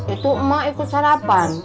itu emak ikut sarapan